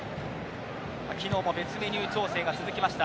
昨日も別メニュー調整が続きました。